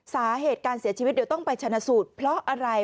สาเหตุการเสียชีวิตเดี๋ยวต้องไปชนะสูตรเพราะอะไร